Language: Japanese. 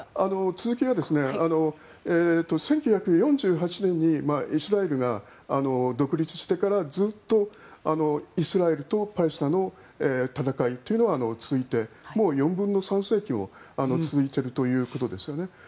続きは１９４８年にイスラエルが独立してからずっとイスラエルとパレスチナの戦いというのは続いてもう４分の３世紀も続いているということですよね。